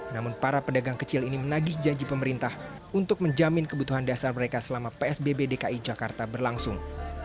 namun para pedagang kecil ini menagih janji pemerintah untuk menjamin kebutuhan dasar mereka selama psbb dki jakarta berlangsung